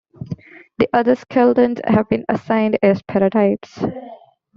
The other skeletons have been assigned as paratypes.